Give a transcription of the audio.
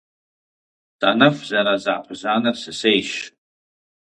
Санэху зэраза кхъузанэр сысейщ.